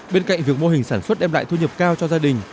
bên cạnh việc mô hình sản xuất đem lại thu nhập cao cho gia đình